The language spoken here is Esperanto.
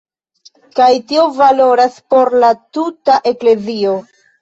Kaj tio valoras por la tuta eklezio.